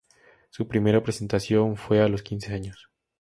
Su primera presentación fue a los quince años.